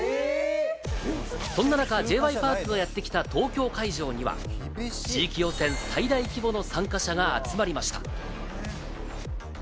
そんな中、Ｊ．Ｙ．Ｐａｒｋとやってきた東京会場には、地域予選最大規模の参加者が集まりました。